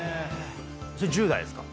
それ１０代ですか？